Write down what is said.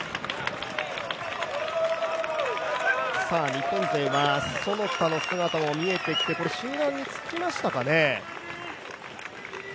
日本勢は其田の姿も見えてきてこれ、集団につきましたかね？